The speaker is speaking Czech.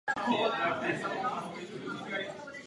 Kolegové, jednominutový projev nefunguje na poslední chvíli.